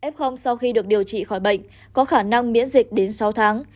f sau khi được điều trị khỏi bệnh có khả năng miễn dịch đến sáu tháng